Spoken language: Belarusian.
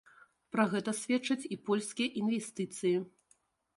Пра гэта сведчаць і польскія інвестыцыі.